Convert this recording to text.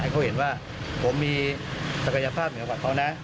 เขาเห็นว่าผมมีศักยภาพในประวัติเขานะ